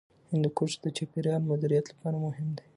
هندوکش د چاپیریال مدیریت لپاره مهم دی.